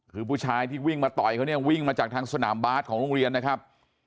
คือผู้ชายที่วิ่งมาต่อยเขาเนี่ยวิ่งมาจากทางสนามบาสของโรงเรียนนะครับ